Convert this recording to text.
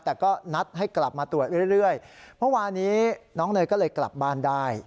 แต่ก็นัดให้กลับมาตรวจเรื่อยเมื่อวานี้น้องเนยก็เลยกลับบ้านได้